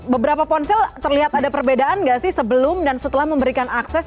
beberapa ponsel terlihat ada perbedaan nggak sih sebelum dan setelah memberikan akses